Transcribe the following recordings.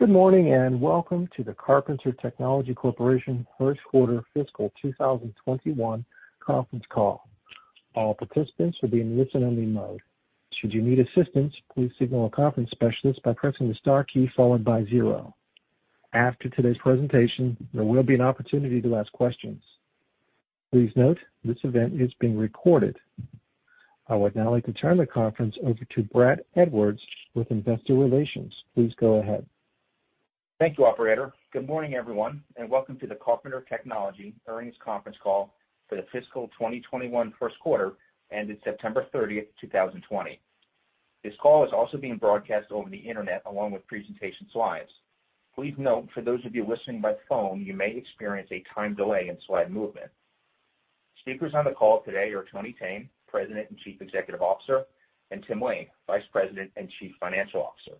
Good morning. Welcome to the Carpenter Technology Corporation first quarter fiscal 2021 conference call. After today's presentation, there will be an opportunity to ask questions. Please note, this event is being recorded. I would now like to turn the conference over to Brad Edwards with investor relations. Please go ahead. Thank you, operator. Good morning, everyone, and welcome to the Carpenter Technology earnings conference call for the fiscal 2021 first quarter ended September 30, 2020. This call is also being broadcast over the internet along with presentation slides. Please note, for those of you listening by phone, you may experience a time delay in slide movement. Speakers on the call today are Tony Thene, President and Chief Executive Officer, and Tim Lain, Vice President and Chief Financial Officer.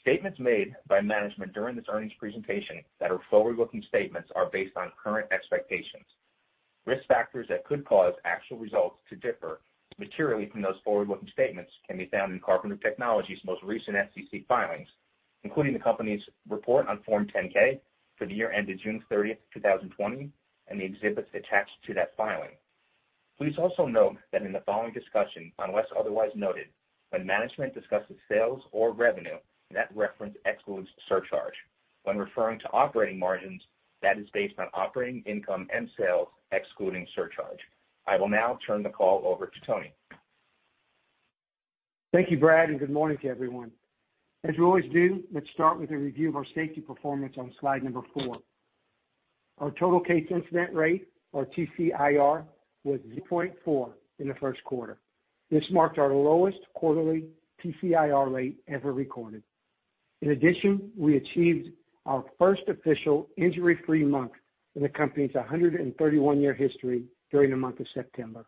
Statements made by management during this earnings presentation that are forward-looking statements are based on current expectations. Risk factors that could cause actual results to differ materially from those forward-looking statements can be found in Carpenter Technology's most recent SEC filings, including the company's report on Form 10-K for the year ended June 30, 2020, and the exhibits attached to that filing. Please also note that in the following discussion, unless otherwise noted, when management discusses sales or revenue, that reference excludes surcharge. When referring to operating margins, that is based on operating income and sales excluding surcharge. I will now turn the call over to Tony. Thank you, Brad, and good morning to everyone. As we always do, let's start with a review of our safety performance on slide number four. Our total case incident rate, or TCIR, was 0.4 in the first quarter. This marked our lowest quarterly TCIR rate ever recorded. In addition, we achieved our first official injury-free month in the company's 131-year history during the month of September.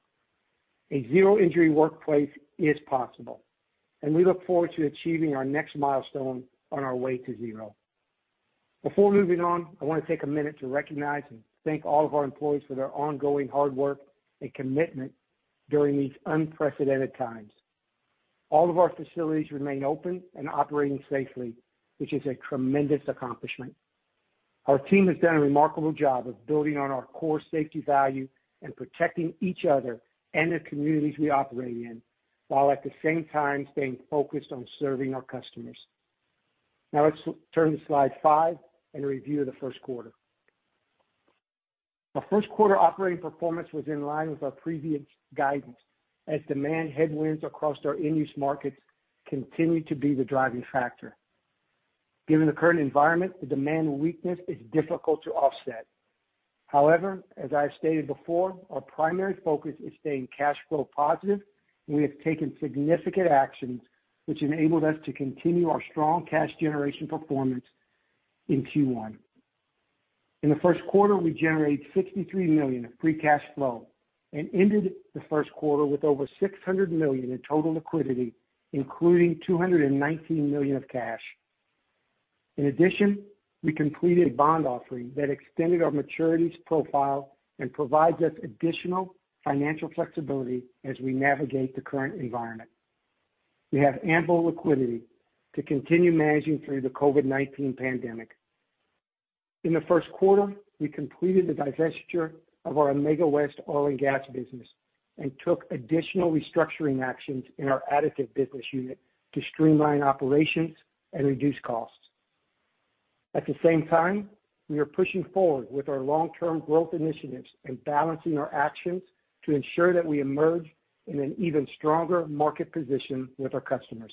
A zero-injury workplace is possible, and we look forward to achieving our next milestone on our way to zero. Before moving on, I want to take a minute to recognize and thank all of our employees for their ongoing hard work and commitment during these unprecedented times. All of our facilities remain open and operating safely, which is a tremendous accomplishment. Our teens has done a remarkable job of building on our core safety value and protecting each other and the communities we operate in, while at the same time, staying focused on serving our customers. Now let's turn to slide five and a review of the first quarter. Our first quarter operating performance was in line with our previous guidance as demand headwinds across our end-use markets continued to be the driving factor. Given the current environment, the demand weakness is difficult to offset. As I have stated before, our primary focus is staying cash flow positive, and we have taken significant actions which enabled us to continue our strong cash generation performance in Q1. In the first quarter, we generated $63 million of free cash flow and ended the first quarter with over $600 million in total liquidity, including $219 million of cash. In addition, we completed a bond offering that extended our maturities profile and provides us additional financial flexibility as we navigate the current environment. We have ample liquidity to continue managing through the COVID-19 pandemic. In the first quarter, we completed the divestiture of our Amega West oil and gas business and took additional restructuring actions in our additive business unit to streamline operations and reduce costs. At the same time, we are pushing forward with our long-term growth initiatives and balancing our actions to ensure that we emerge in an even stronger market position with our customers.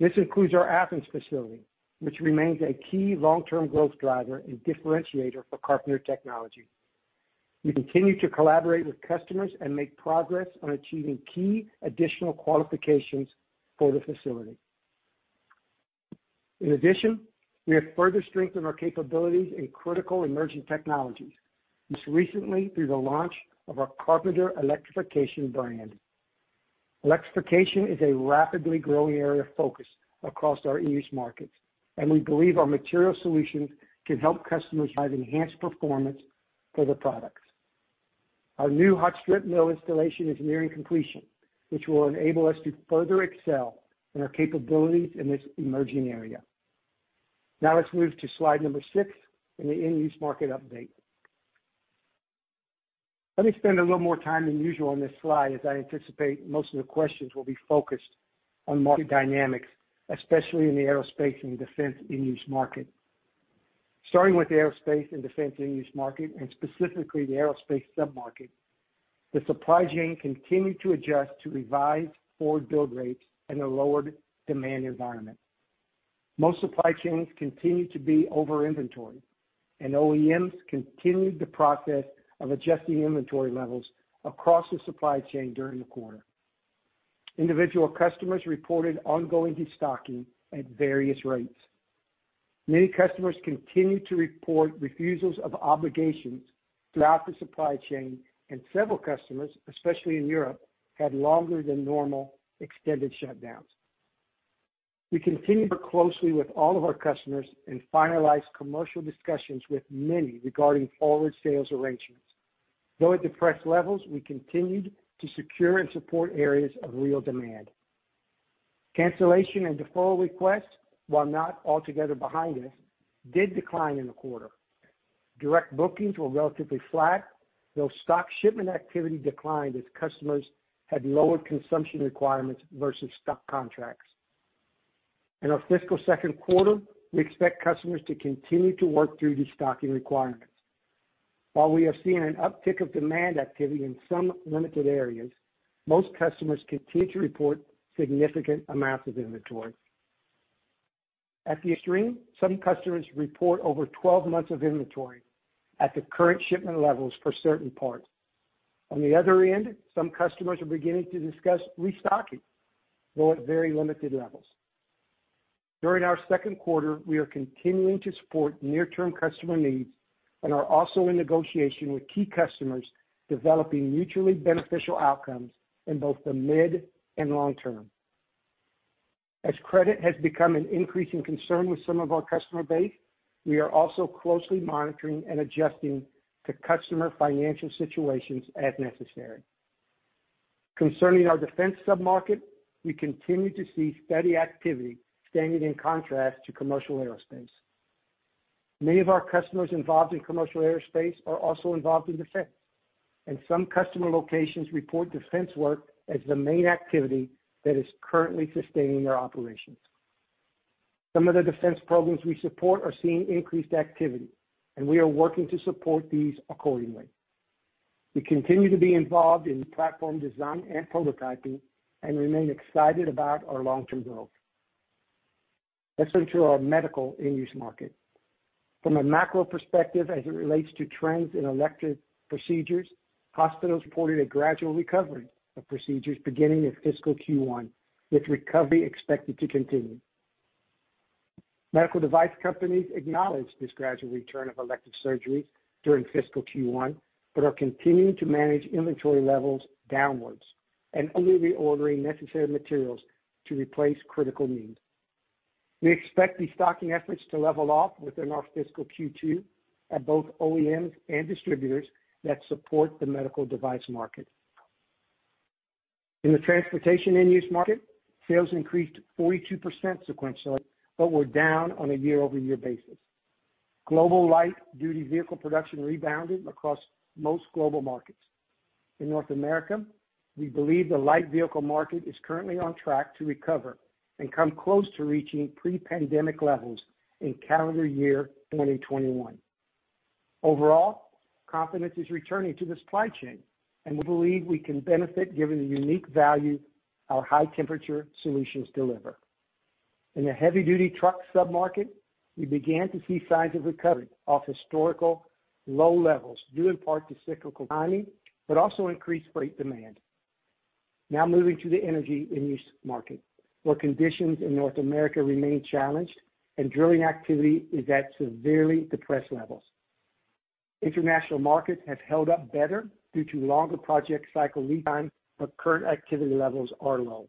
This includes our Athens facility, which remains a key long-term growth driver and differentiator for Carpenter Technology. We continue to collaborate with customers and make progress on achieving key additional qualifications for the facility. In addition, we have further strengthened our capabilities in critical emerging technologies, most recently through the launch of our Carpenter Electrification brand. Electrification is a rapidly growing area of focus across our end-use markets, and we believe our material solutions can help customers drive enhanced performance for their products. Our new hot strip mill installation is nearing completion, which will enable us to further excel in our capabilities in this emerging area. Let's move to slide number six and the end-use market update. Let me spend a little more time than usual on this slide, as I anticipate most of the questions will be focused on market dynamics, especially in the aerospace and defense end-use market. Starting with the aerospace and defense end-use market, and specifically the aerospace sub-market, the supply chain continued to adjust to revised forward build rates in a lowered demand environment. Most supply chains continued to be over-inventoried, and OEMs continued the process of adjusting inventory levels across the supply chain during the quarter. Individual customers reported ongoing de-stocking at various rates. Many customers continued to report refusals of obligations throughout the supply chain, and several customers, especially in Europe, had longer than normal extended shutdowns. We continue to work closely with all of our customers and finalize commercial discussions with many regarding forward sales arrangements. Though at depressed levels, we continued to secure and support areas of real demand. Cancellation and deferral requests, while not altogether behind us, did decline in the quarter. Direct bookings were relatively flat, though stock shipment activity declined as customers had lower consumption requirements versus stock contracts. In our fiscal second quarter, we expect customers to continue to work through these stocking requirements. While we have seen an uptick of demand activity in some limited areas, most customers continue to report significant amounts of inventory. At the extreme, some customers report over 12 months of inventory at the current shipment levels for certain parts. On the other end, some customers are beginning to discuss restocking, though at very limited levels. During our second quarter, we are continuing to support near-term customer needs and are also in negotiation with key customers developing mutually beneficial outcomes in both the mid and long term. As credit has become an increasing concern with some of our customer base, we are also closely monitoring and adjusting to customer financial situations as necessary. Concerning our defense sub-market, we continue to see steady activity standing in contrast to commercial aerospace. Many of our customers involved in commercial aerospace are also involved in defense, and some customer locations report defense work as the main activity that is currently sustaining their operations. Some of the defense programs we support are seeing increased activity, and we are working to support these accordingly. We continue to be involved in platform design and prototyping and remain excited about our long-term growth. Let's turn to our medical end-use market. From a macro perspective, as it relates to trends in elective procedures, hospitals reported a gradual recovery of procedures beginning in fiscal Q1, with recovery expected to continue. Medical device companies acknowledge this gradual return of elective surgery during fiscal Q1 but are continuing to manage inventory levels downwards and only reordering necessary materials to replace critical needs. We expect these stocking efforts to level off within our fiscal Q2 at both OEMs and distributors that support the medical device market. In the transportation end-use market, sales increased 42% sequentially, but were down on a year-over-year basis. Global light-duty vehicle production rebounded across most global markets. In North America, we believe the light vehicle market is currently on track to recover and come close to reaching pre-pandemic levels in calendar year 2021. Overall, confidence is returning to the supply chain, and we believe we can benefit given the unique value our high-temperature solutions deliver. In the heavy-duty truck sub-market, we began to see signs of recovery off historical low levels, due in part to cyclical timing, but also increased freight demand. Now moving to the energy end-use market, where conditions in North America remain challenged and drilling activity is at severely depressed levels. International markets have held up better due to longer project cycle lead time, but current activity levels are low.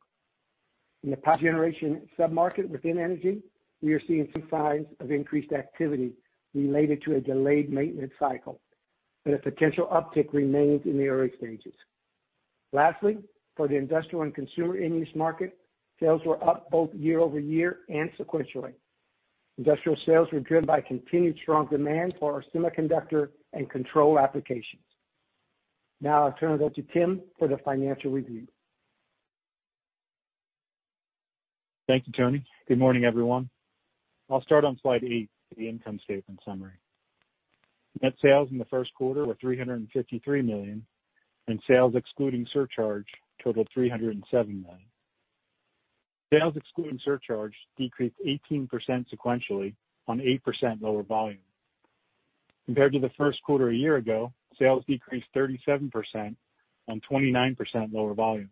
In the power generation sub-market within energy, we are seeing some signs of increased activity related to a delayed maintenance cycle, but a potential uptick remains in the early stages. Lastly, for the industrial and consumer end-use market, sales were up both year-over-year and sequentially. Industrial sales were driven by continued strong demand for our semiconductor and control applications. Now I turn it over to Tim for the financial review. Thank you, Tony. Good morning, everyone. I'll start on slide eight with the income statement summary. Net sales in the first quarter were $353 million, and sales excluding surcharge totaled $307 million. Sales excluding surcharge decreased 18% sequentially on 8% lower volume. Compared to the first quarter a year ago, sales decreased 37% on 29% lower volume.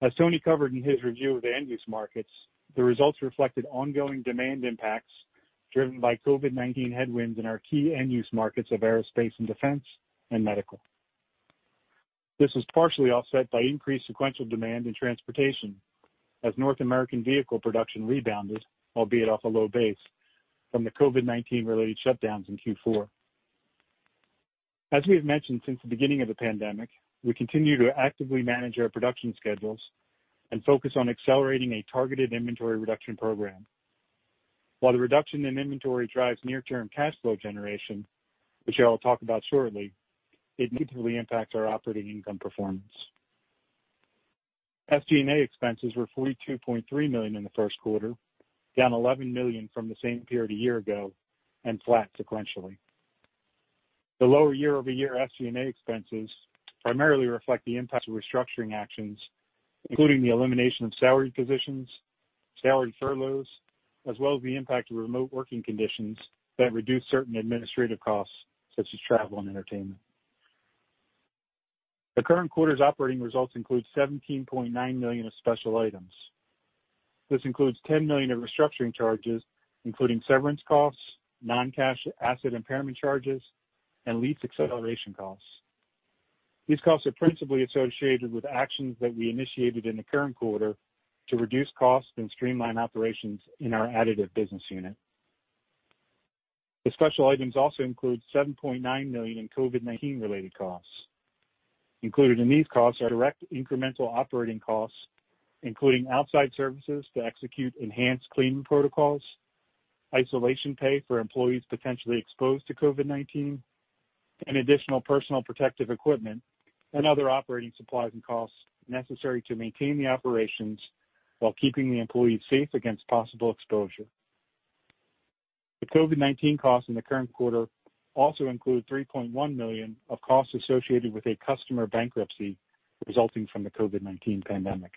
As Tony covered in his review of the end-use markets, the results reflected ongoing demand impacts driven by COVID-19 headwinds in our key end-use markets of aerospace and defense, and medical. This was partially offset by increased sequential demand in transportation as North American vehicle production rebounded, albeit off a low base, from the COVID-19 related shutdowns in Q4. As we have mentioned since the beginning of the pandemic, we continue to actively manage our production schedules and focus on accelerating a targeted inventory reduction program. While the reduction in inventory drives near-term cash flow generation, which I'll talk about shortly, it negatively impacts our operating income performance. SG&A expenses were $42.3 million in the first quarter, down $11 million from the same period a year ago, and flat sequentially. The lower year-over-year SG&A expenses primarily reflect the impact of restructuring actions, including the elimination of salaried positions, salaried furloughs, as well as the impact of remote working conditions that reduce certain administrative costs such as travel and entertainment. The current quarter's operating results include $17.9 million of special items. This includes $10 million of restructuring charges, including severance costs, non-cash asset impairment charges, and lease acceleration costs. These costs are principally associated with actions that we initiated in the current quarter to reduce costs and streamline operations in our additive business unit. The special items also include $7.9 million in COVID-19 related costs. Included in these costs are direct incremental operating costs, including outside services to execute enhanced cleaning protocols, isolation pay for employees potentially exposed to COVID-19, and additional personal protective equipment and other operating supplies and costs necessary to maintain the operations while keeping the employees safe against possible exposure. The COVID-19 costs in the current quarter also include $3.1 million of costs associated with a customer bankruptcy resulting from the COVID-19 pandemic.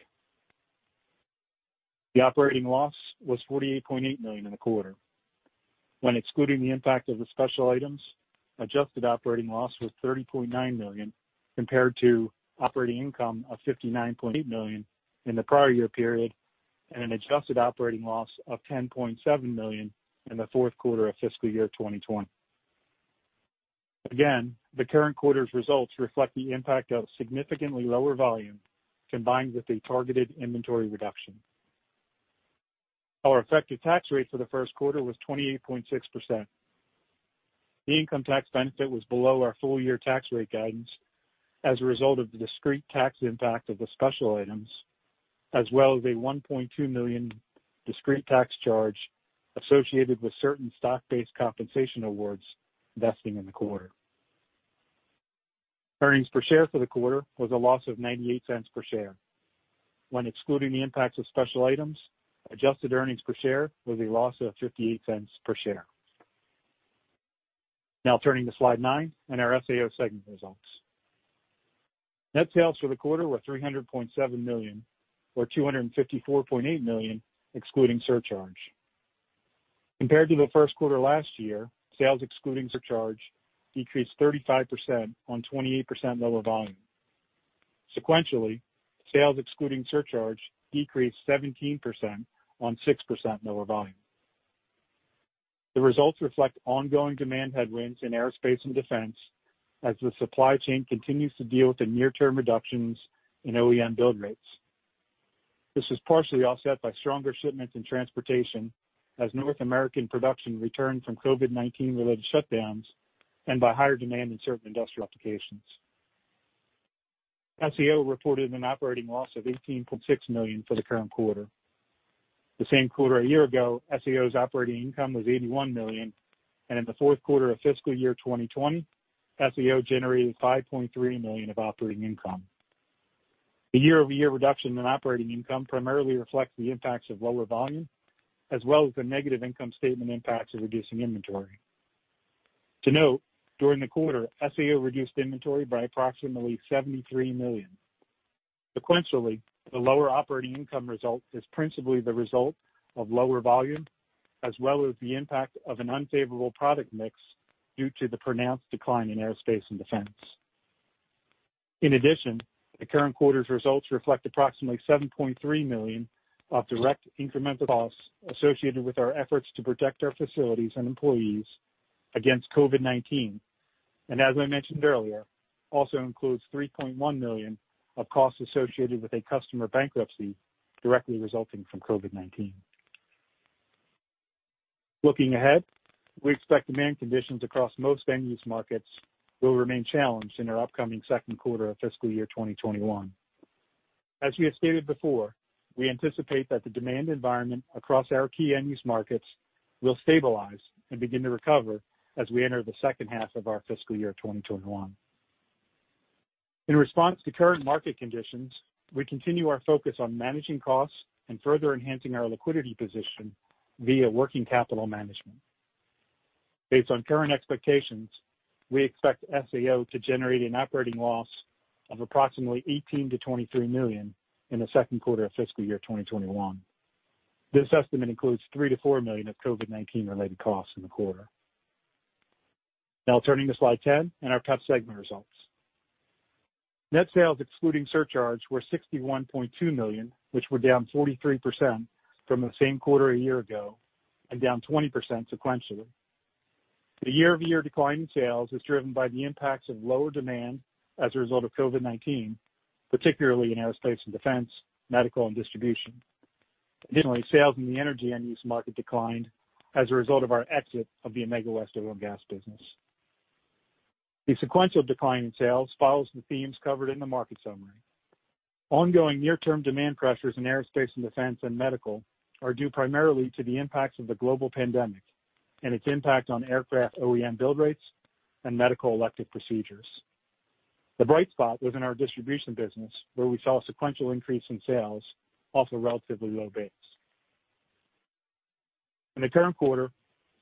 The operating loss was $48.8 million in the quarter. When excluding the impact of the special items, adjusted operating loss was $30.9 million, compared to operating income of $59.8 million in the prior year period, and an adjusted operating loss of $10.7 million in the fourth quarter of fiscal year 2020. Again, the current quarter's results reflect the impact of significantly lower volume combined with a targeted inventory reduction. Our effective tax rate for the first quarter was 28.6%. The income tax benefit was below our full-year tax rate guidance as a result of the discrete tax impact of the special items, as well as a $1.2 million discrete tax charge associated with certain stock-based compensation awards vesting in the quarter. Earnings per share for the quarter was a loss of $0.98 per share. When excluding the impacts of special items, adjusted earnings per share was a loss of $0.58 per share. Turning to slide nine and our SAO segment results. Net sales for the quarter were $300.7 million, or $254.8 million, excluding surcharge. Compared to the first quarter last year, sales excluding surcharge decreased 35% on 28% lower volume. Sequentially, sales excluding surcharge decreased 17% on 6% lower volume. The results reflect ongoing demand headwinds in aerospace and defense as the supply chain continues to deal with the near-term reductions in OEM build rates. This is partially offset by stronger shipments in transportation as North American production returned from COVID-19 related shutdowns, and by higher demand in certain industrial applications. SAO reported an operating loss of $18.6 million for the current quarter. The same quarter a year ago, SAO's operating income was $81 million, and in the fourth quarter of fiscal year 2020, SAO generated $5.3 million of operating income. The year-over-year reduction in operating income primarily reflects the impacts of lower volume, as well as the negative income statement impacts of reducing inventory. To note, during the quarter, SAO reduced inventory by approximately $73 million. Sequentially, the lower operating income result is principally the result of lower volume, as well as the impact of an unfavorable product mix due to the pronounced decline in aerospace and defense. In addition, the current quarter's results reflect approximately $7.3 million of direct incremental costs associated with our efforts to protect our facilities and employees against COVID-19. As I mentioned earlier, also includes $3.1 million of costs associated with a customer bankruptcy directly resulting from COVID-19. Looking ahead, we expect demand conditions across most end-use markets will remain challenged in our upcoming second quarter of fiscal year 2021. As we have stated before, we anticipate that the demand environment across our key end-use markets will stabilize and begin to recover as we enter the second half of our fiscal year 2021. In response to current market conditions, we continue our focus on managing costs and further enhancing our liquidity position via working capital management. Based on current expectations, we expect SAO to generate an operating loss of approximately $18 million to $23 million in the second quarter of fiscal year 2021. This estimate includes $3 million to $4 million of COVID-19 related costs in the quarter. Turning to slide 10 and our PEP segment results. Net sales excluding surcharges were $61.2 million, which were down 43% from the same quarter a year ago and down 20% sequentially. The year-over-year decline in sales is driven by the impacts of lower demand as a result of COVID-19, particularly in aerospace and defense, medical, and distribution. Additionally, sales in the energy end-use market declined as a result of our exit of the Amega West oil and gas business. The sequential decline in sales follows the themes covered in the market summary. Ongoing near-term demand pressures in aerospace and defense and medical are due primarily to the impacts of the global pandemic and its impact on aircraft OEM build rates and medical elective procedures. The bright spot was in our distribution business, where we saw a sequential increase in sales off a relatively low base. In the current quarter,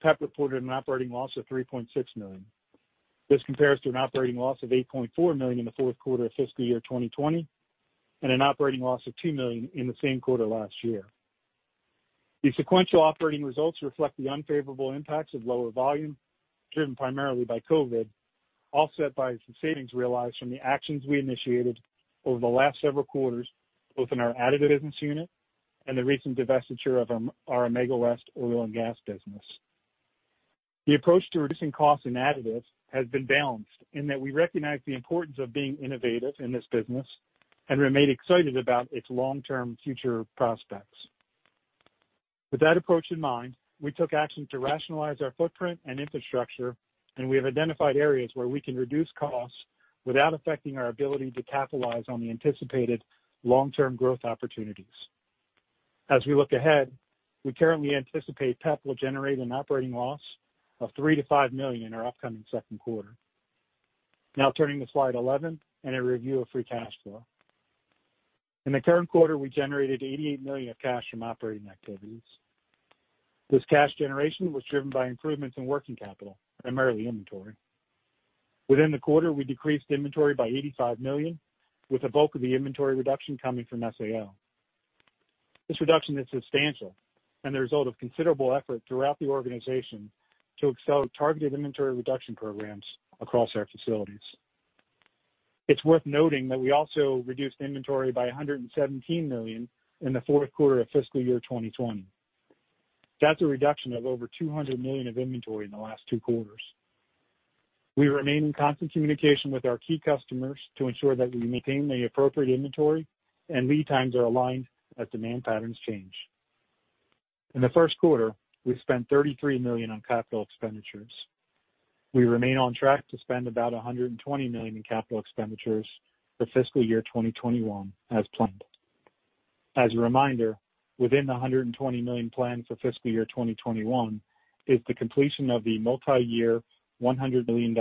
PEP reported an operating loss of $3.6 million. This compares to an operating loss of $8.4 million in the fourth quarter of fiscal year 2020, and an operating loss of $2 million in the same quarter last year. The sequential operating results reflect the unfavorable impacts of lower volume, driven primarily by COVID, offset by some savings realized from the actions we initiated over the last several quarters, both in our additive business unit and the recent divestiture of our Amega West oil and gas business. The approach to reducing costs in additives has been balanced in that we recognize the importance of being innovative in this business and remain excited about its long-term future prospects. With that approach in mind, we took action to rationalize our footprint and infrastructure, and we have identified areas where we can reduce costs without affecting our ability to capitalize on the anticipated long-term growth opportunities. As we look ahead, we currently anticipate PEP will generate an operating loss of $3 million-$5 million in our upcoming second quarter. Turning to slide 11 and a review of free cash flow. In the current quarter, we generated $88 million of cash from operating activities. This cash generation was driven by improvements in working capital, primarily inventory. Within the quarter, we decreased inventory by $85 million, with the bulk of the inventory reduction coming from SAO. This reduction is substantial and the result of considerable effort throughout the organization to excel at targeted inventory reduction programs across our facilities. It's worth noting that we also reduced inventory by $117 million in the fourth quarter of fiscal year 2020. That's a reduction of over $200 million of inventory in the last two quarters. We remain in constant communication with our key customers to ensure that we maintain the appropriate inventory and lead times are aligned as demand patterns change. In the first quarter, we spent $33 million on capital expenditures. We remain on track to spend about $120 million in capital expenditures for fiscal year 2021 as planned. As a reminder, within the $120 million plan for fiscal year 2021 is the completion of the multi-year $100 million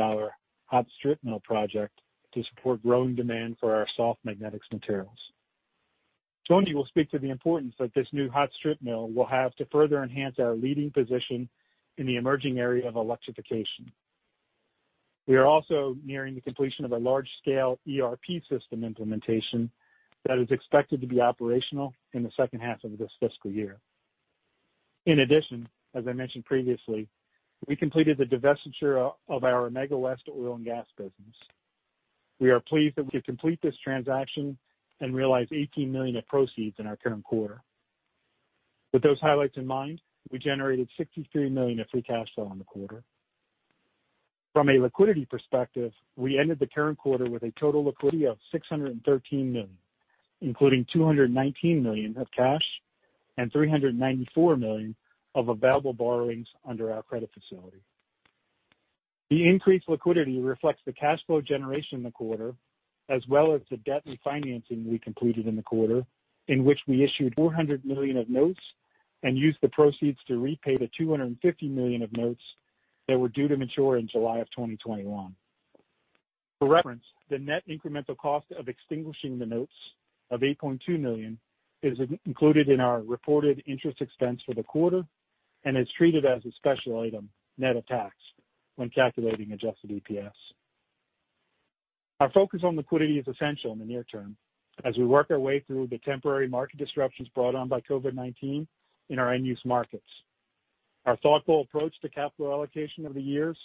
hot strip mill project to support growing demand for our soft magnetic materials. Tony will speak to the importance that this new hot strip mill will have to further enhance our leading position in the emerging area of electrification. We are also nearing the completion of a large-scale ERP system implementation that is expected to be operational in the second half of this fiscal year. In addition, as I mentioned previously, we completed the divestiture of our Amega West oil and gas business. We are pleased that we could complete this transaction and realize $18 million of proceeds in our current quarter. With those highlights in mind, we generated $63 million of free cash flow in the quarter. From a liquidity perspective, we ended the current quarter with a total liquidity of $613 million, including $219 million of cash and $394 million of available borrowings under our credit facility. The increased liquidity reflects the cash flow generation in the quarter, as well as the debt refinancing we completed in the quarter, in which we issued $400 million of notes and used the proceeds to repay the $250 million of notes that were due to mature in July of 2021. For reference, the net incremental cost of extinguishing the notes of $8.2 million is included in our reported interest expense for the quarter and is treated as a special item, net of tax, when calculating adjusted EPS. Our focus on liquidity is essential in the near term as we work our way through the temporary market disruptions brought on by COVID-19 in our end-use markets. Our thoughtful approach to capital allocation over the years,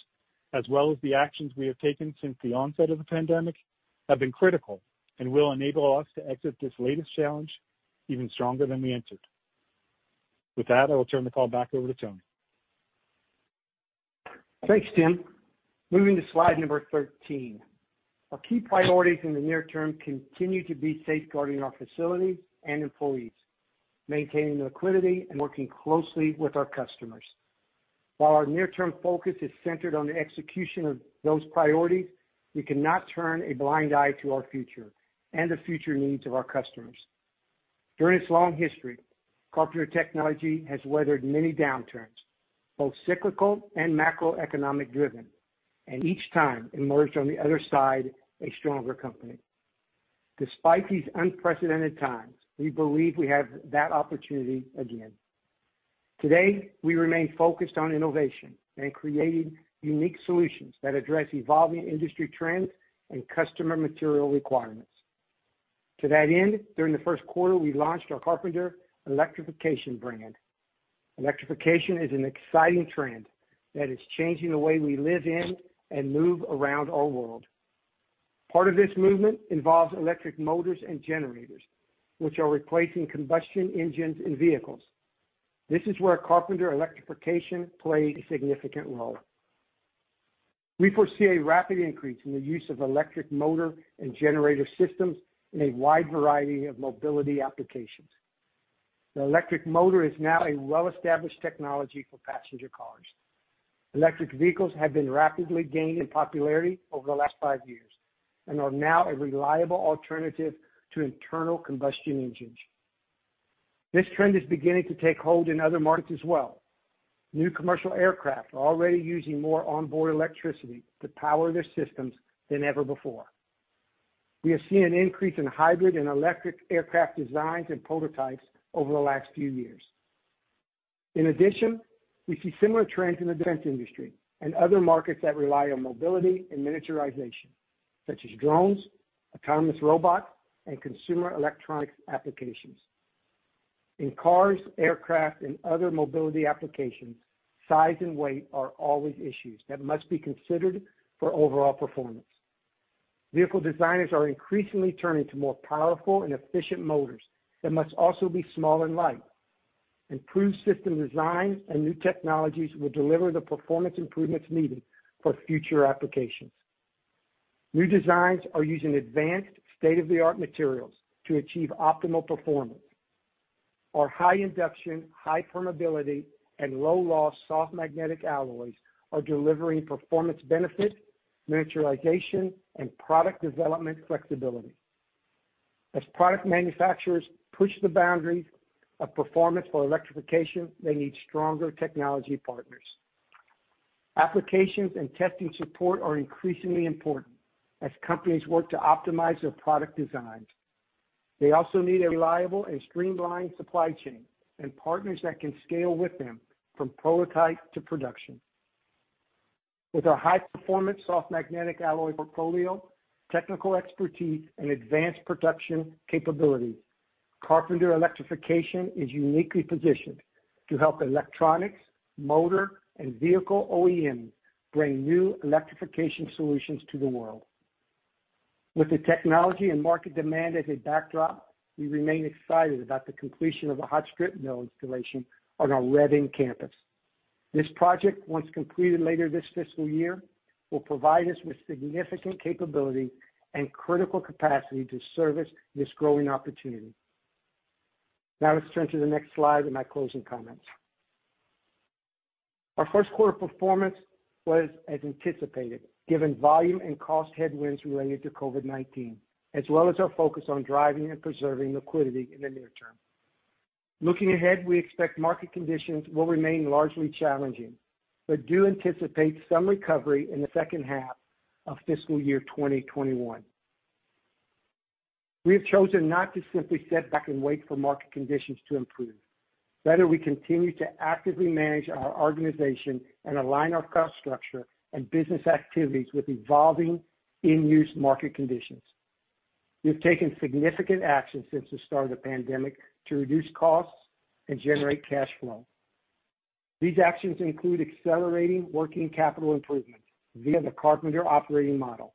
as well as the actions we have taken since the onset of the pandemic, have been critical and will enable us to exit this latest challenge even stronger than we entered. With that, I will turn the call back over to Tony Thene. Thanks, Tim. Moving to slide number 13. Our key priorities in the near term continue to be safeguarding our facilities and employees, maintaining liquidity, and working closely with our customers. While our near-term focus is centered on the execution of those priorities, we cannot turn a blind eye to our future and the future needs of our customers. During its long history, Carpenter Technology has weathered many downturns, both cyclical and macroeconomic-driven, and each time emerged on the other side a stronger company. Despite these unprecedented times, we believe we have that opportunity again. Today, we remain focused on innovation and creating unique solutions that address evolving industry trends and customer material requirements. To that end, during the first quarter, we launched our Carpenter Electrification brand. Electrification is an exciting trend that is changing the way we live in and move around our world. Part of this movement involves electric motors and generators, which are replacing combustion engines in vehicles. This is where Carpenter Electrification plays a significant role. We foresee a rapid increase in the use of electric motor and generator systems in a wide variety of mobility applications. The electric motor is now a well-established technology for passenger cars. Electric vehicles have been rapidly gaining popularity over the last five years and are now a reliable alternative to internal combustion engines. This trend is beginning to take hold in other markets as well. New commercial aircraft are already using more onboard electricity to power their systems than ever before. We have seen an increase in hybrid and electric aircraft designs and prototypes over the last few years. In addition, we see similar trends in the defense industry and other markets that rely on mobility and miniaturization, such as drones, autonomous robots, and consumer electronics applications. In cars, aircraft, and other mobility applications, size and weight are always issues that must be considered for overall performance. Vehicle designers are increasingly turning to more powerful and efficient motors that must also be small and light. Improved system design and new technologies will deliver the performance improvements needed for future applications. New designs are using advanced state-of-the-art materials to achieve optimal performance. Our high induction, high permeability, and low-loss soft magnetic alloys are delivering performance benefit, miniaturization, and product development flexibility. As product manufacturers push the boundaries of performance for electrification, they need stronger technology partners. Applications and testing support are increasingly important as companies work to optimize their product designs. They also need a reliable and streamlined supply chain and partners that can scale with them from prototype to production. With our high-performance soft magnetic alloy portfolio, technical expertise, and advanced production capability, Carpenter Electrification is uniquely positioned to help electronics, motor, and vehicle OEMs bring new electrification solutions to the world. With the technology and market demand as a backdrop, we remain excited about the completion of a hot-strip mill installation on our Reading campus. This project, once completed later this fiscal year, will provide us with significant capability and critical capacity to service this growing opportunity. Let's turn to the next slide and my closing comments. Our first quarter performance was as anticipated, given volume and cost headwinds related to COVID-19, as well as our focus on driving and preserving liquidity in the near term. Looking ahead, we expect market conditions will remain largely challenging, but do anticipate some recovery in the second half of fiscal year 2021. We have chosen not to simply sit back and wait for market conditions to improve. Rather, we continue to actively manage our organization and align our cost structure and business activities with evolving end-use market conditions. We have taken significant action since the start of the pandemic to reduce costs and generate cash flow. These actions include accelerating working capital improvements via the Carpenter Technology Operating Model,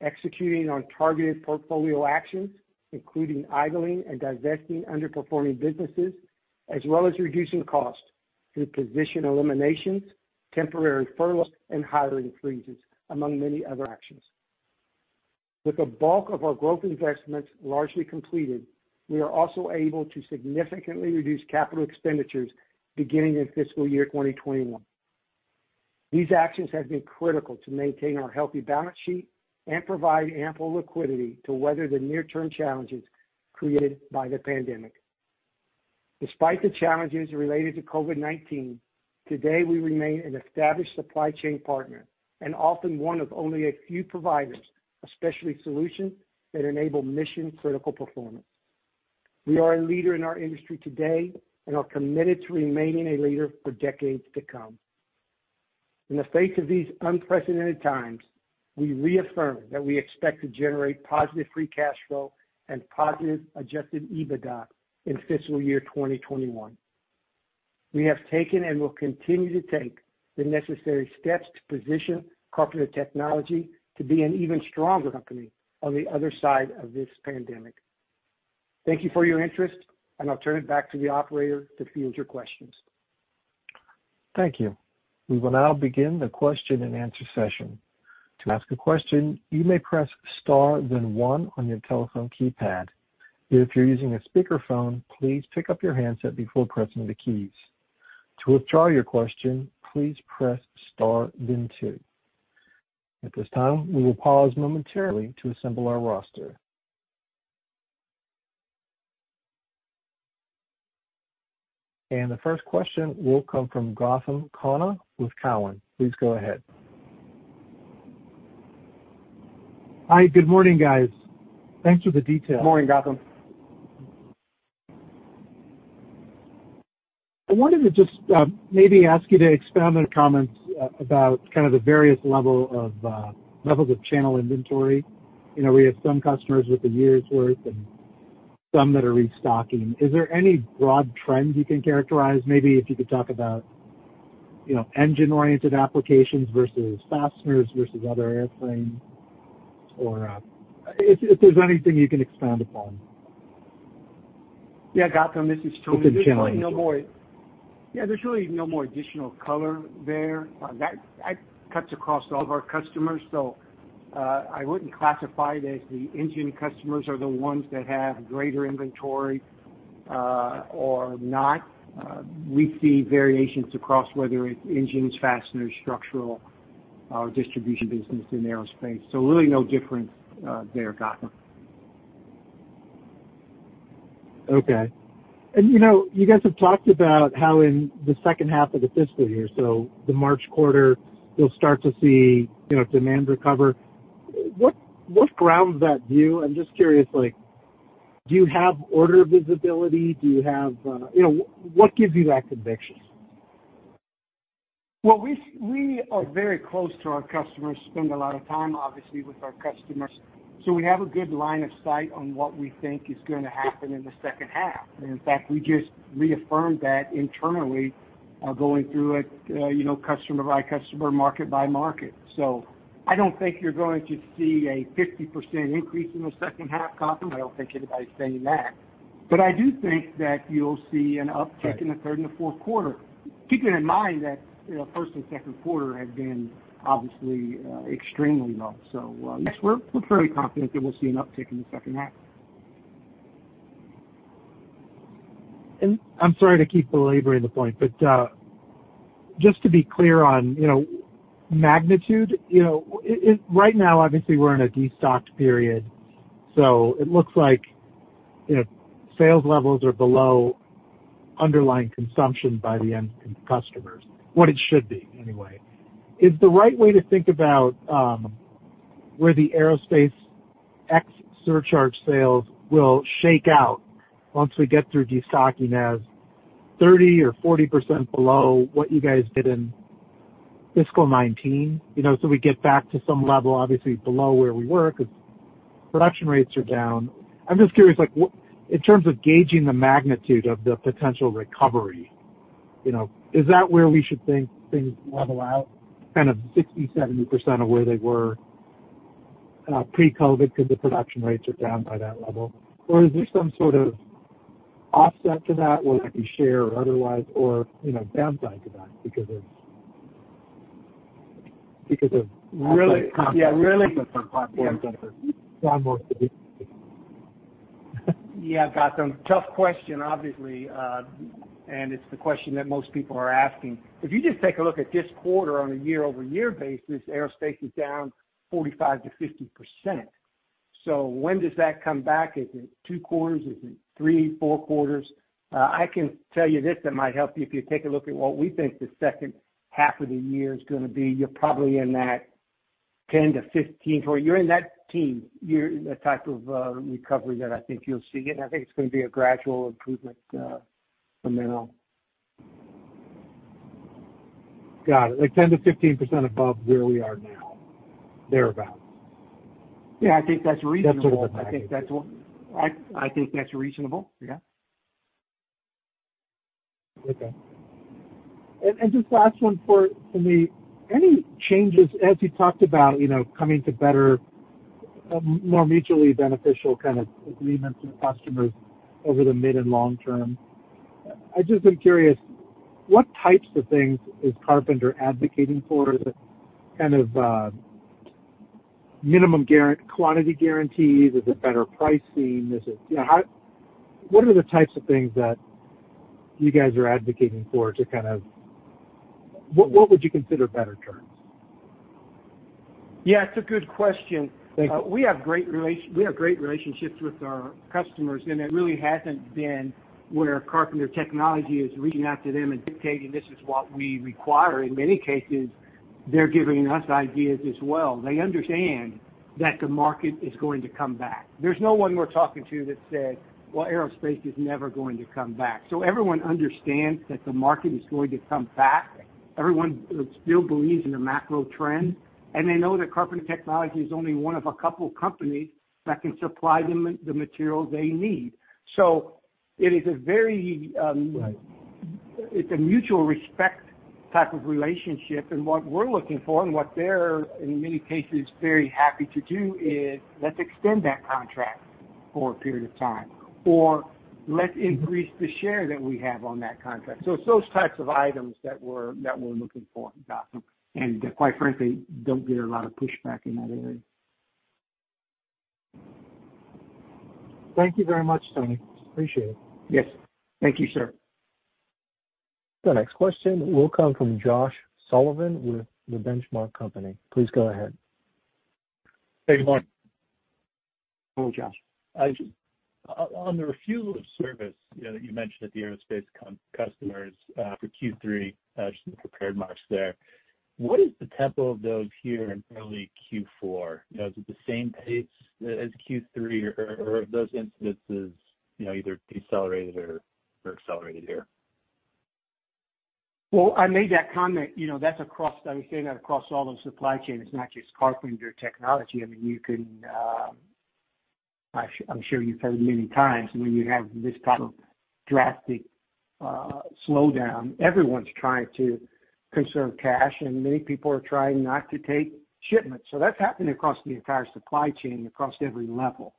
executing on targeted portfolio actions, including idling and divesting underperforming businesses, as well as reducing costs through position eliminations, temporary furloughs, and hiring freezes, among many other actions. With the bulk of our growth investments largely completed, we are also able to significantly reduce capital expenditures beginning in fiscal year 2021. These actions have been critical to maintain our healthy balance sheet and provide ample liquidity to weather the near-term challenges created by the pandemic. Despite the challenges related to COVID-19, today we remain an established supply chain partner and often one of only a few providers of specialty solutions that enable mission-critical performance. We are a leader in our industry today and are committed to remaining a leader for decades to come. In the face of these unprecedented times, we reaffirm that we expect to generate positive free cash flow and positive adjusted EBITDA in fiscal year 2021. We have taken and will continue to take the necessary steps to position Carpenter Technology to be an even stronger company on the other side of this pandemic. Thank you for your interest, and I'll turn it back to the operator to field your questions. Thank you. We will now begin the question-and-answer session. The first question will come from Gautam Khanna with Cowen. Please go ahead. Hi. Good morning, guys. Thanks for the details. Morning, Gautam. I wanted to just maybe ask you to expand on your comments about kind of the various levels of channel inventory. We have some customers with a year's worth and some that are restocking. Is there any broad trends you can characterize? Maybe if you could talk about engine-oriented applications versus fasteners versus other airframes, or if there's anything you can expand upon. Yeah, Gautam, this is Tony. Just in general. Yeah, there's really no more additional color there. That cuts across all of our customers. I wouldn't classify it as the engine customers are the ones that have greater inventory or not. We see variations across whether it's engines, fasteners, structural, our distribution business in aerospace. Really no difference there, Gautam. Okay. You guys have talked about how in the second half of the fiscal year, so the March Quarter, you'll start to see demand recover. What grounds that view? I'm just curious, do you have order visibility? What gives you that conviction? Well, we are very close to our customers, spend a lot of time obviously with our customers. We have a good line of sight on what we think is going to happen in the second half. In fact, we just reaffirmed that internally going through it customer by customer, market by market. I don't think you're going to see a 50% increase in the second half, Gautam. I don't think anybody's saying that. But I do think that you'll see an uptick in the third and the fourth quarter, keeping in mind that first and second quarter have been obviously extremely low. Yes, we're very confident that we'll see an uptick in the second half. I'm sorry to keep belaboring the point, but just to be clear on magnitude. Right now, obviously, we're in a de-stocked period, so it looks like sales levels are below underlying consumption by the end customers. What it should be, anyway. Is the right way to think about where the Aerospace X surcharge sales will shake out once we get through de-stocking as 30% or 40% below what you guys did in fiscal 2019? We get back to some level, obviously, below where we were, because production rates are down. I'm just curious, in terms of gauging the magnitude of the potential recovery, is that where we should think things level out kind of 60%, 70% of where they were pre-COVID, because the production rates are down by that level? Is there some sort of offset to that where it could be share or otherwise, or downside to that? Really- supply and demand for Yeah, Gautam. Tough question, obviously, and it's the question that most people are asking. If you just take a look at this quarter on a year-over-year basis, Aerospace is down 45%-50%. When does that come back? Is it two quarters? Is it three, four quarters? I can tell you this, that might help you. If you take a look at what we think the second half of the year is going to be, you're probably in that 10%-15%, or you're in that team. You're in the type of recovery that I think you'll see, and I think it's going to be a gradual improvement from now. Got it. Like 10%-15% above where we are now, thereabout. Yeah, I think that's reasonable. That's what I was thinking. I think that's reasonable. Yeah. Okay. Just last one for me. Any changes as you talked about coming to better, more mutually beneficial kind of agreements with customers over the mid and long term, I just am curious, what types of things is Carpenter advocating for? Is it kind of minimum quantity guarantees? Is it better pricing? What are the types of things that you guys are advocating for? What would you consider better terms? Yeah, it's a good question. Thank you. We have great relationships with our customers, and it really hasn't been where Carpenter Technology is reaching out to them and dictating, "This is what we require." In many cases, they're giving us ideas as well. They understand that the market is going to come back. There's no one we're talking to that said, "Well, aerospace is never going to come back." Everyone understands that the market is going to come back. Everyone still believes in the macro trend, and they know that Carpenter Technology is only one of a couple companies that can supply them the material they need. It is a very- Right it's a mutual respect type of relationship. What we're looking for and what they're, in many cases, very happy to do is, "Let's extend that contract for a period of time," or "Let's increase the share that we have on that contract." It's those types of items that we're looking for, Gautam, and quite frankly, don't get a lot of pushback in that area. Thank you very much, Tony. Appreciate it. Yes. Thank you, sir. The next question will come from Josh Sullivan with The Benchmark Company. Please go ahead. Hey, good morning. Good morning, Josh. On the refusal of service that you mentioned at the aerospace customers for Q3, just in the prepared remarks there, what is the tempo of those here in early Q4? Is it the same pace as Q3 or have those incidences either decelerated or accelerated here? Well, I made that comment, I would say that across all the supply chain, it's not just Carpenter Technology. I'm sure you've heard many times, when you have this type of drastic slowdown, everyone's trying to conserve cash, and many people are trying not to take shipments. That's happening across the entire supply chain, across every level.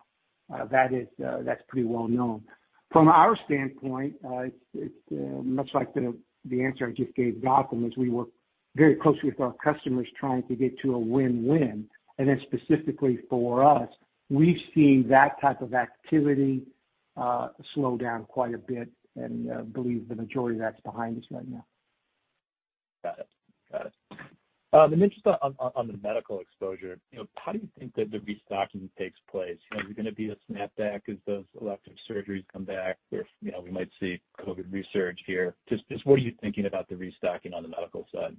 That's pretty well known. From our standpoint, it's much like the answer I just gave Gautam, is we work very closely with our customers trying to get to a win-win. Specifically for us, we've seen that type of activity slow down quite a bit and believe the majority of that's behind us right now. Got it. I'm interested on the medical exposure. How do you think that the restocking takes place? Is it going to be a snap back as those elective surgeries come back? We might see COVID resurge here. Just what are you thinking about the restocking on the medical side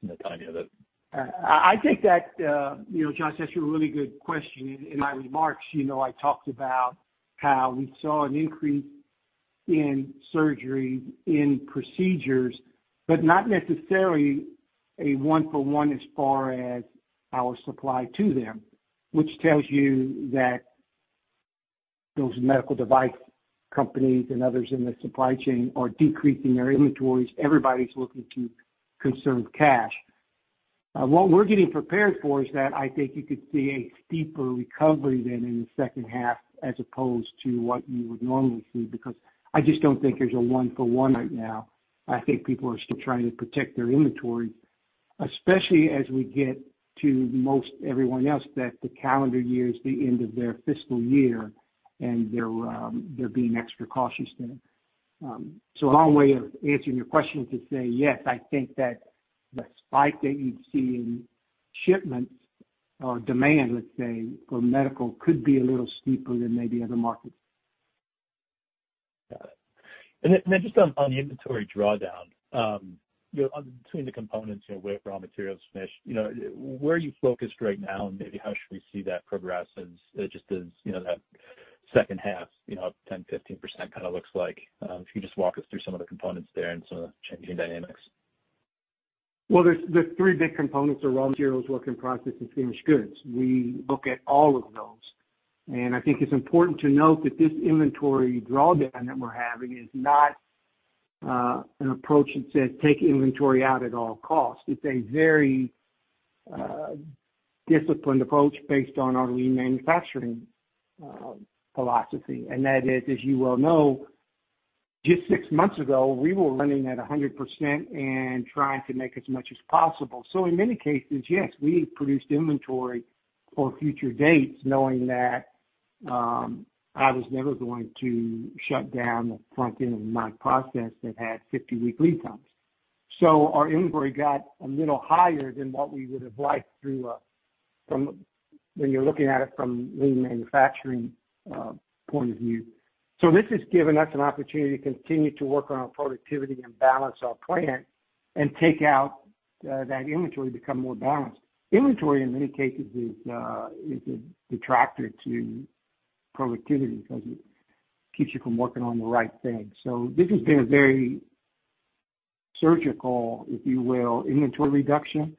in the timing of it? I think that, Josh, that's a really good question. In my remarks, I talked about how we saw an increase in surgery, in procedures, but not necessarily a one for one as far as our supply to them, which tells you that those medical device companies and others in the supply chain are decreasing their inventories. Everybody's looking to conserve cash. What we're getting prepared for is that I think you could see a steeper recovery than in the second half as opposed to what you would normally see, because I just don't think there's a one for one right now. I think people are still trying to protect their inventory, especially as we get to most everyone else that the calendar year is the end of their fiscal year, and they're being extra cautious then. Long way of answering your question to say, yes, I think that the spike that you'd see in shipments or demand, let's say, for medical, could be a little steeper than maybe other markets. Got it. Just on the inventory drawdown. Between the components, raw materials, finished, where are you focused right now and maybe how should we see that progress as just as that second half, 10%-15% kind of looks like? If you could just walk us through some of the components there and some of the changing dynamics. Well, the three big components are raw materials, work in process, and finished goods. We look at all of those. I think it's important to note that this inventory drawdown that we're having is not an approach that says take inventory out at all costs. It's a very disciplined approach based on our lean manufacturing philosophy. That is, as you well know, just six months ago, we were running at 100% and trying to make as much as possible. In many cases, yes, we produced inventory for future dates knowing that I was never going to shut down the front end of my process that had 50-week lead times. Our inventory got a little higher than what we would have liked when you're looking at it from lean manufacturing point of view. This has given us an opportunity to continue to work on our productivity and balance our plant and take out that inventory, become more balanced. Inventory, in many cases, is a detractor to productivity because it keeps you from working on the right things. This has been a very surgical, if you will, inventory reduction.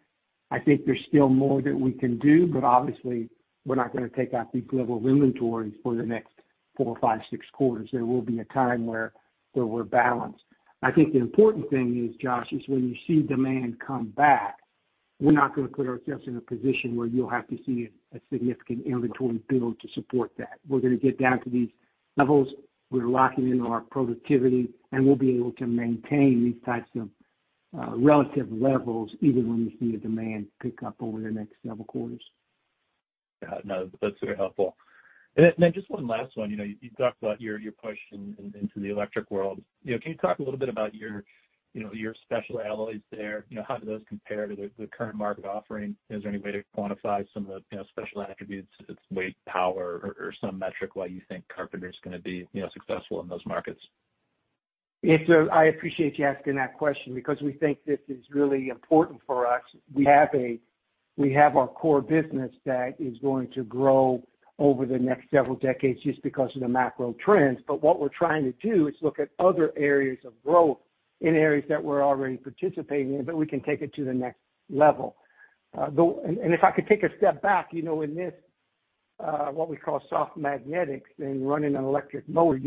I think there's still more that we can do, but obviously we're not going to take out these level of inventories for the next four, five, six quarters. There will be a time where we're balanced. I think the important thing is, Josh, is when you see demand come back, we're not going to put ourselves in a position where you'll have to see a significant inventory build to support that. We're going to get down to these levels. We're locking in our productivity, and we'll be able to maintain these types of relative levels even when we see a demand pick up over the next several quarters. Got it. No, that's very helpful. Just one last one. You talked about your push into the electric world. Can you talk a little bit about your special alloys there? How do those compare to the current market offering? Is there any way to quantify some of the special attributes, its weight, power, or some metric why you think Carpenter's going to be successful in those markets? I appreciate you asking that question because we think this is really important for us. We have our core business that is going to grow over the next several decades just because of the macro trends. What we're trying to do is look at other areas of growth in areas that we're already participating in, but we can take it to the next level. If I could take a step back, in this, what we call soft magnetics and running an electric motor,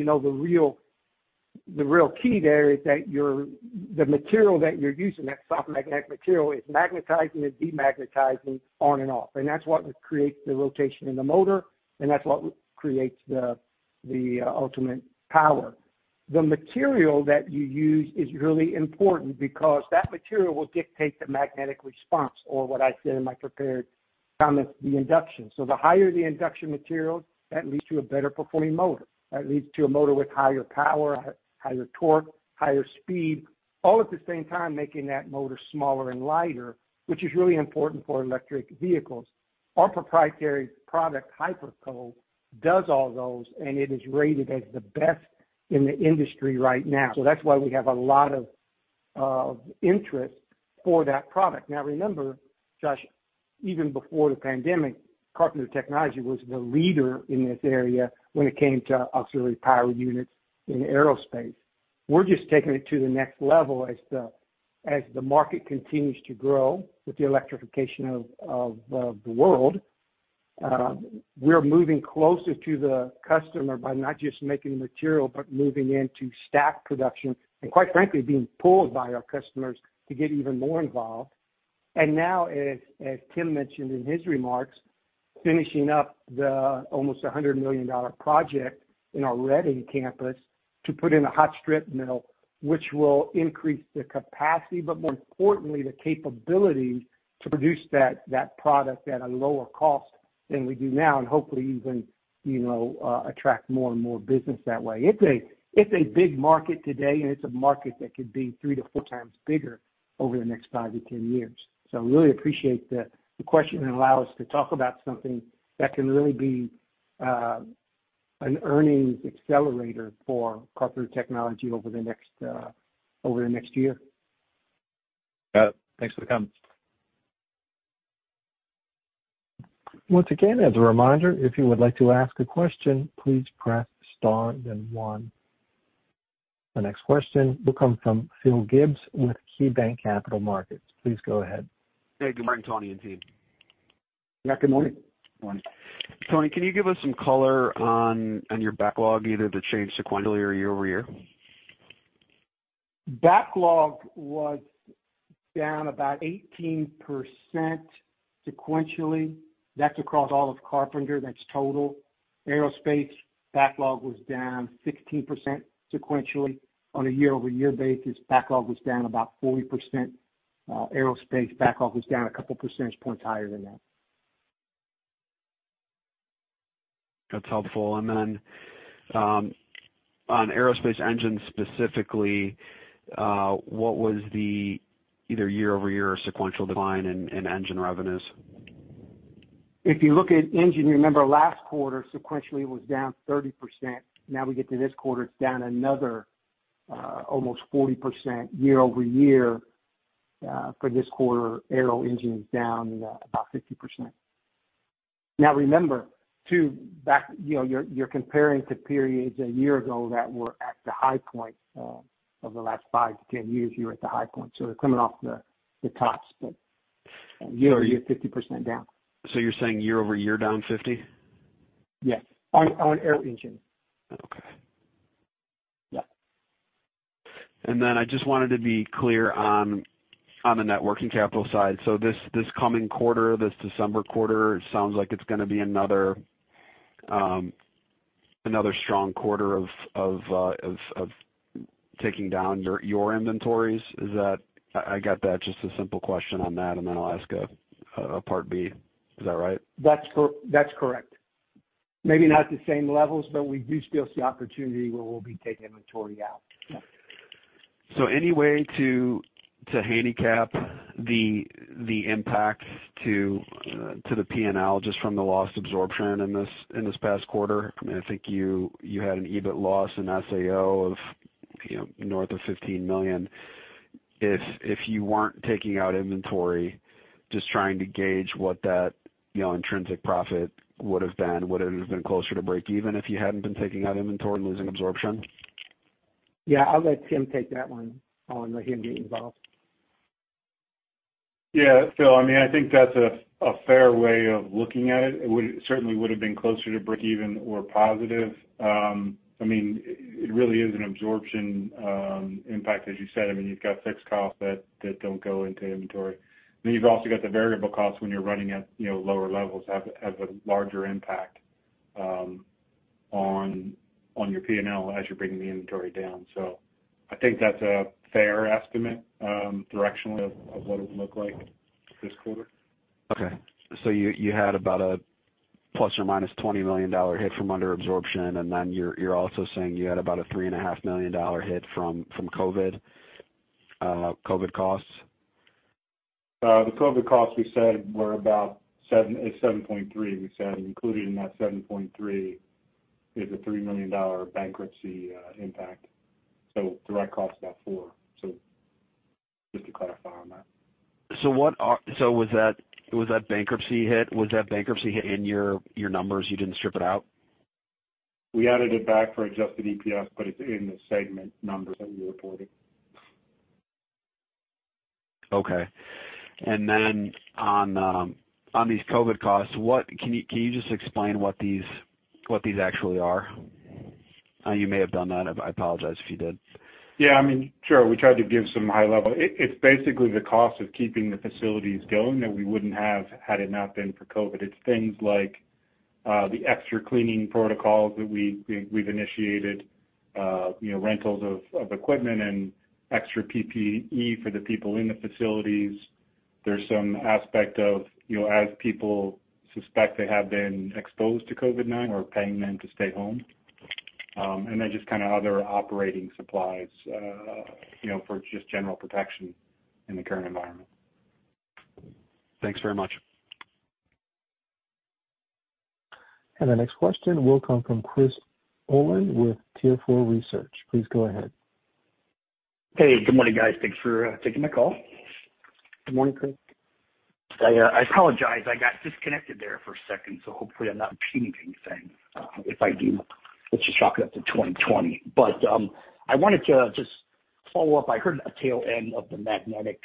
the real key there is that the material that you're using, that soft magnetic material, is magnetizing and demagnetizing on and off. That's what creates the rotation in the motor, and that's what creates the ultimate power. The material that you use is really important because that material will dictate the magnetic response, or what I said in my prepared comments, the induction. The higher the induction material, that leads to a better performing motor. That leads to a motor with higher power, higher torque, higher speed, all at the same time making that motor smaller and lighter, which is really important for electric vehicles. Our proprietary product, Hiperco, does all those, and it is rated as the best in the industry right now. That's why we have a lot of interest for that product. Now remember, Josh, even before the pandemic, Carpenter Technology was the leader in this area when it came to auxiliary power units in aerospace. We're just taking it to the next level as the market continues to grow with the electrification of the world. We're moving closer to the customer by not just making the material, but moving into stack production, and quite frankly, being pulled by our customers to get even more involved. Now, as Tim mentioned in his remarks, finishing up the almost $100 million project in our Reading campus to put in a hot strip mill, which will increase the capacity. More importantly, the capability to produce that product at a lower cost than we do now, and hopefully even attract more and more business that way. It's a big market today, and it's a market that could be three to four times bigger over the next five to 10 years. Really appreciate the question and allow us to talk about something that can really be an earnings accelerator for Carpenter Technology over the next year. Got it. Thanks for the comments. Once again, as a reminder, if you would like to ask a question, please press star then one. The next question will come from Phil Gibbs with KeyBanc Capital Markets. Please go ahead. Hey, good morning, Tony and team. Good afternoon. Morning. Tony, can you give us some color on your backlog, either the change sequentially or year-over-year? Backlog was down about 18% sequentially. That's across all of Carpenter, that's total. Aerospace backlog was down 16% sequentially. On a year-over-year basis, backlog was down about 40%. Aerospace backlog was down a couple percentage points higher than that. That's helpful. On aerospace engines specifically, what was the either year-over-year or sequential decline in engine revenues? If you look at engine, remember last quarter sequentially was down 30%. We get to this quarter, it's down another almost 40% year-over-year. For this quarter, aero engine is down about 50%. Remember, too, you're comparing to periods a year ago that were at the high point of the last 5-10 years. You were at the high point. We're coming off the tops, but year-over-year, 50% down. You're saying year-over-year down 50%? Yes. On aero-engine. Okay. Yeah. I just wanted to be clear on the networking capital side. This coming quarter, this December quarter, it sounds like it's going to be another strong quarter of taking down your inventories. I got that. Just a simple question on that, and then I'll ask a part B. Is that all right? That's correct. Maybe not the same levels, but we do still see opportunity where we'll be taking inventory out. Yeah. Any way to handicap the impact to the P&L just from the lost absorption in this past quarter? I think you had an EBIT loss in SAO of north of $15 million. If you weren't taking out inventory, just trying to gauge what that intrinsic profit would've been. Would it have been closer to break even if you hadn't been taking out inventory and losing absorption? Yeah, I'll let Tim take that one. I'll let him get involved. Yeah. Phil, I think that's a fair way of looking at it. It certainly would've been closer to break even or positive. It really is an absorption impact, as you said. You've got fixed costs that don't go into inventory. You've also got the variable costs when you're running at lower levels, have a larger impact on your P&L as you're bringing the inventory down. I think that's a fair estimate, directionally, of what it would look like this quarter. Okay. You had about a ±$20 million hit from under absorption, you're also saying you had about a three and a half million dollar hit from COVID costs? The COVID-19 costs we said were about $7.3. We said included in that $7.3 is a $3 million bankruptcy impact. Direct cost is about $4. Just to clarify on that. Was that bankruptcy hit in your numbers? You didn't strip it out? We added it back for adjusted EPS, but it's in the segment numbers that we reported. Okay. Then on these COVID costs, can you just explain what these actually are? You may have done that. I apologize if you did. Yeah. Sure. We tried to give some high level. It's basically the cost of keeping the facilities going that we wouldn't have had it not been for COVID. It's things like the extra cleaning protocols that we've initiated, rentals of equipment and extra PPE for the people in the facilities. There's some aspect of, as people suspect they have been exposed to COVID now, we're paying them to stay home. Just kind of other operating supplies for just general protection in the current environment. Thanks very much. The next question will come from Chris Olin with Tier4 Research. Please go ahead. Hey, good morning, guys. Thanks for taking the call. Good morning, Chris. I apologize. I got disconnected there for a second, so hopefully I'm not repeating anything. If I do, let's just chalk it up to 2020. I wanted to just follow up. I heard the tail end of the Magnetics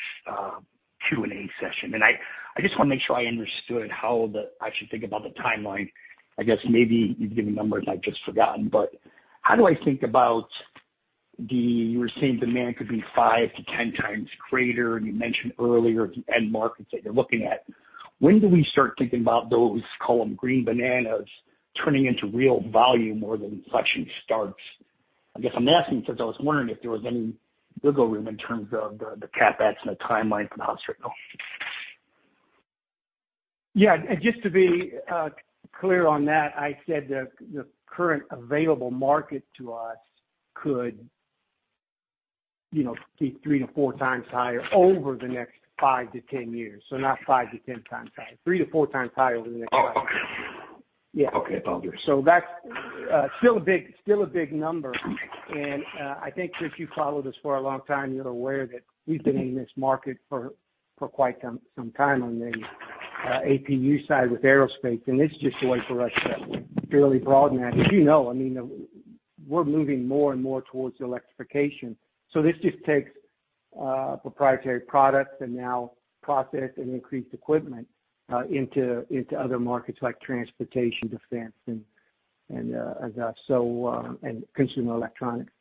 Q&A session, and I just want to make sure I understood how I should think about the timeline. I guess maybe you've given numbers and I've just forgotten. You were saying demand could be 5-10 times greater, and you mentioned earlier the end markets that you're looking at. When do we start thinking about those, call them green bananas, turning into real volume where the inflection starts? I guess I'm asking because I was wondering if there was any wiggle room in terms of the CapEx and the timeline for the house right now. Yeah, just to be clear on that, I said the current available market to us could be three to four times higher over the next 5-10 years. Not five to 10 times higher. Three to four times higher over the next 5-10 years. Oh, okay. Yeah. Okay. Apologies. That's still a big number. I think, Chris, you've followed us for a long time. You're aware that we've been in this market for quite some time on the APU side with aerospace, and this is just a way for us to fairly broaden that. You know, we're moving more and more towards electrification. This just takes proprietary products and now process and increase equipment into other markets like transportation, defense, and consumer electronics.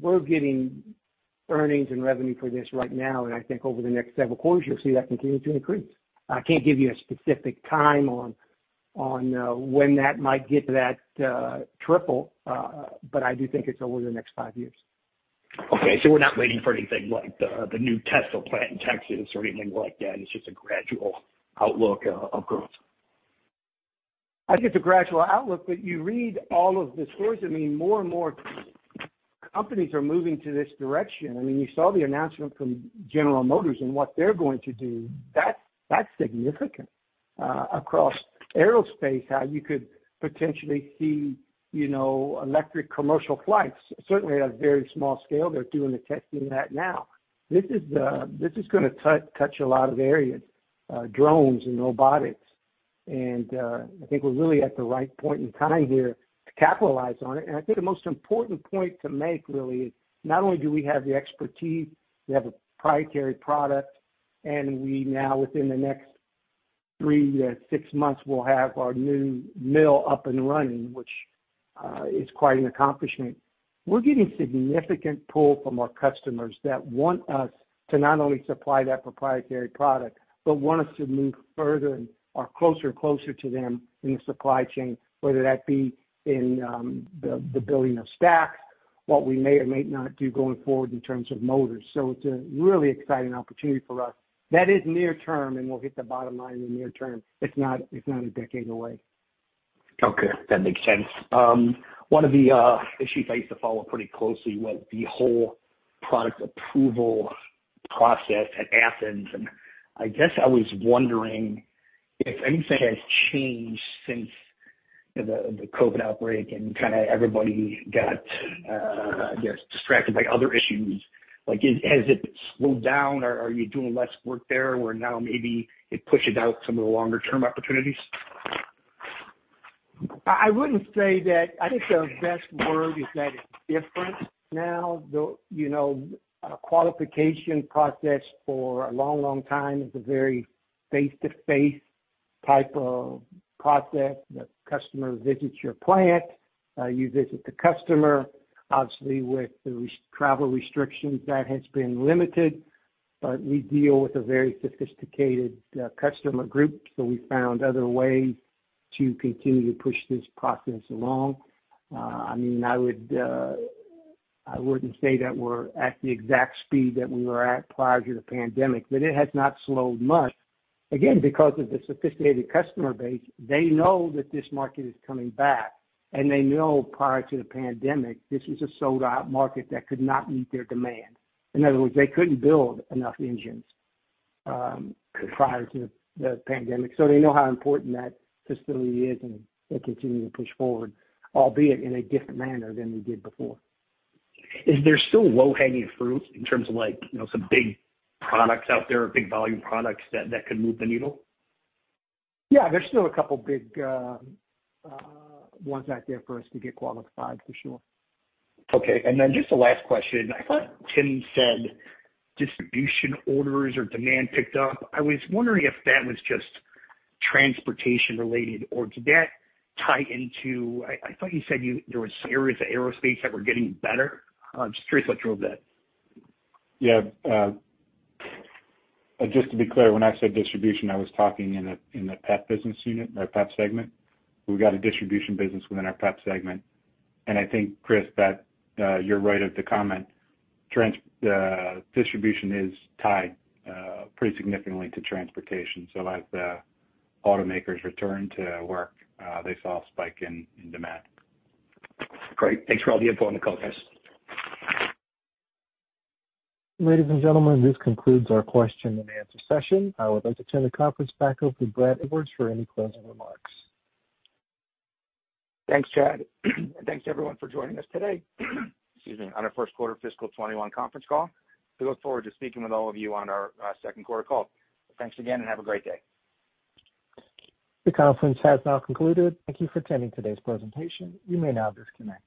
We're getting earnings and revenue for this right now, and I think over the next several quarters, you'll see that continue to increase. I can't give you a specific time on when that might get to that triple. I do think it's over the next five years. Okay, we're not waiting for anything like the new Tesla plant in Texas or anything like that. It's just a gradual outlook of growth. I think it's a gradual outlook, but you read all of the stories. More and more companies are moving to this direction. You saw the announcement from General Motors and what they're going to do. That's significant. Across aerospace, how you could potentially see electric commercial flights. Certainly at a very small scale, they're doing the testing of that now. This is going to touch a lot of areas, drones and robotics. I think we're really at the right point in time here to capitalize on it. I think the most important point to make really is not only do we have the expertise, we have a proprietary product, and we now, within the next 3-6 months, will have our new mill up and running, which is quite an accomplishment. We're getting significant pull from our customers that want us to not only supply that proprietary product, but want us to move further and closer to them in the supply chain, whether that be in the building of stacks, what we may or may not do going forward in terms of motors. It's a really exciting opportunity for us. That is near term, and we'll hit the bottom line in near term. It's not a decade away. Okay, that makes sense. One of the issues I used to follow pretty closely was the whole product approval process at OEM, I guess I was wondering if anything has changed since the COVID-19 outbreak and everybody got distracted by other issues. Has it slowed down? Are you doing less work there, where now maybe it pushes out some of the longer-term opportunities? I wouldn't say that. I think the best word is that it's different now. A qualification process for a long time is a very face-to-face type of process. The customer visits your plant, you visit the customer. Obviously, with the travel restrictions, that has been limited. We deal with a very sophisticated customer group, so we found other ways to continue to push this process along. I wouldn't say that we're at the exact speed that we were at prior to the pandemic, but it has not slowed much. Because of the sophisticated customer base, they know that this market is coming back, and they know prior to the pandemic, this was a sold-out market that could not meet their demand. In other words, they couldn't build enough engines prior to the pandemic. They know how important that facility is, and they continue to push forward, albeit in a different manner than we did before. Is there still low-hanging fruit in terms of some big products out there or big volume products that could move the needle? Yeah, there's still a couple big ones out there for us to get qualified for sure. Okay, just the last question. I thought Tim said distribution orders or demand picked up. I was wondering if that was just transportation related, or did that tie into I thought you said there was some areas of aerospace that were getting better. I'm just curious about your view of that. Yeah. Just to be clear, when I said distribution, I was talking in the PEP business unit or PEP segment. I think, Chris, that you're right of the comment. Distribution is tied pretty significantly to transportation. As the automakers return to work, they saw a spike in demand. Great. Thanks for all the info on the call, guys. Ladies and gentlemen, this concludes our question and answer session. I would like to turn the conference back over to Brad Edwards for any closing remarks. Thanks, Chad. Thanks everyone for joining us today, excuse me, on our first quarter fiscal 2021 conference call. We look forward to speaking with all of you on our second quarter call. Thanks again and have a great day. The conference has now concluded. Thank you for attending today's presentation. You may now disconnect.